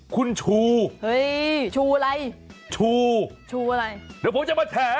คุณชูเฮ้ยชูอะไรชูชูอะไรเดี๋ยวผมจะมาแถ